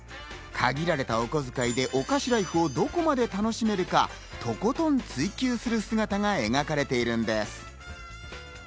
限られたおこづかいでお菓子ライフをどこまで楽しめるか、とことん追求する姿が描かれているんです。